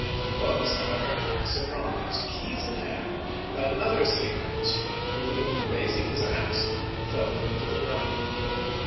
He was, however, surprised, keys in hand, by another city magis trate, who, raising his ax, felled him to the ground.